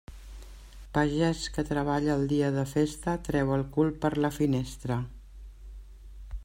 Pagès que treballa el dia de festa treu el cul per la finestra.